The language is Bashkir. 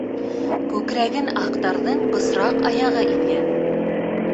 Күкрәген аҡтарҙың бысраҡ аяғы иҙгән.